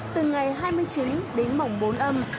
từ ngày hai mươi chín đến mổng bốn âm